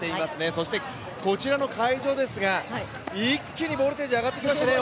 そしてこちらの会場ですが、一気にボルテージ上がってきましたね。